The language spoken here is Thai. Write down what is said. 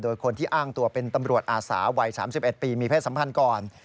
โดยคนที่อ้างตัวเป็นตำรวจอาสาวัย๓๑ปีมีเพศสัมพันธ์ก่อน